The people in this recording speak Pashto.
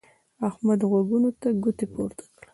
احمد غوږو ته ګوتې پورته کړې.